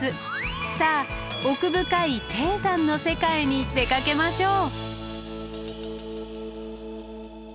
さあ奥深い低山の世界に出かけましょう。